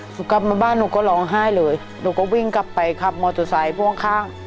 กลับมาบ้านหนูก็ร้องไห้เลยหนูก็วิ่งกลับไปขับมอเตอร์ไซค์พ่วงข้าง